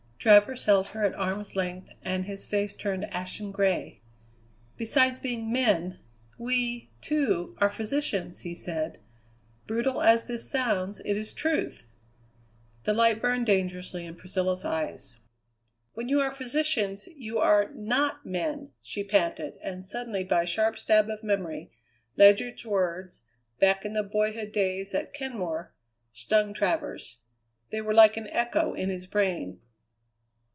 Travers held her at arm's length, and his face turned ashen gray. "Besides being men, we, too, are physicians!" he said. "Brutal as this sounds, it is truth!" The light burned dangerously in Priscilla's eyes. "When you are physicians you are not men!" she panted, and suddenly, by a sharp stab of memory, Ledyard's words, back in the boyhood days at Kenmore, stung Travers. They were like an echo in his brain.